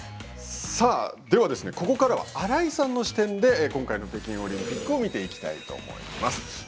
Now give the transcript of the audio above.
ここからは新井さんの視点で今回の北京オリンピックを見ていきたいと思います。